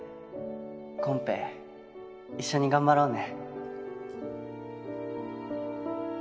コンペ一緒に頑張ろうね。